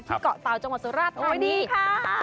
ที่เกาะเตาท์จังหวัดสุรัสตร์ตอนนี้ค่ะ